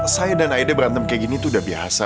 saya dan aida berantem kayak gini tuh udah biasa